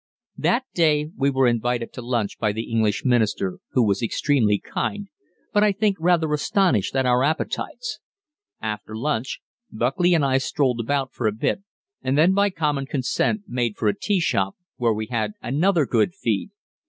That day we were invited to lunch by the English Minister, who was extremely kind, but I think rather astonished at our appetites. After lunch, Buckley and I strolled about for a bit, and then by common consent made for a tea shop, where we had another good feed.